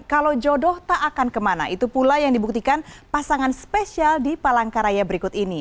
kalau jodoh tak akan kemana itu pula yang dibuktikan pasangan spesial di palangkaraya berikut ini